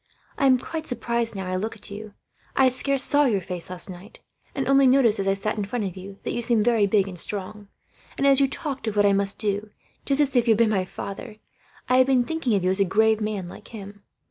I am quite surprised, now I look at you I scarce saw your face, last night; and only noticed, as I sat in front of you, that you seemed very big and strong. And as you talked of what I must do, just as if you had been my father, I have been thinking of you as a grave man, like him.